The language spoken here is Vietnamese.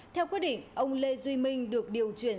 theo quyết định ông lê duy minh được điều chuyển